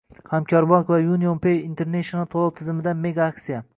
❇️ Hamkorbank va UnionPay International to'lov tizimidan mega aksiya!